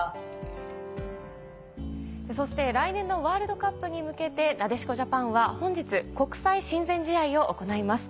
そして来年のワールドカップに向けてなでしこジャパンは本日国際親善試合を行います。